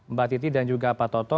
mbak titi dan juga pak toto